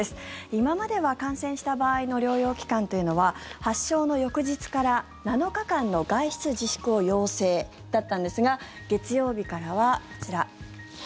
今までは感染した場合の療養期間というのは発症の翌日から７日間の外出自粛を要請だったんですが月曜日からは、こちら。